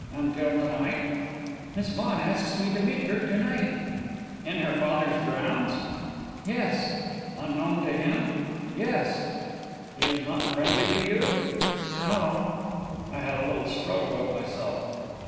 "Until to night?" "Miss Vaughan asks me to meet her to night." "In her father's grounds?" "Yes." "Unknown to him?" "Yes." "He is not friendly to you?" "No." I had a little struggle with myself.